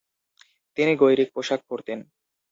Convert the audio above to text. তিনি গৈরিক পোশাক পরতেন।